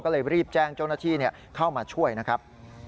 ก็เลยรีบแจ้งเจ้าหน้าที่เข้ามาช่วยนะครับ